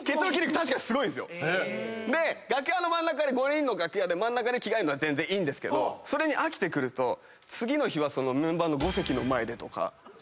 ５人の楽屋で真ん中で着替えるのは全然いいけどそれに飽きてくると次の日はメンバーの五関の前でとか。